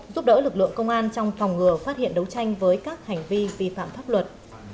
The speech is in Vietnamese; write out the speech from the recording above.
giúp đỡ lực lượng công an trong phòng ngừa phát hiện đấu tranh với các hành vi vi phạm pháp luật